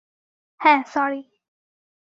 হ্যাঁ, স্যরি।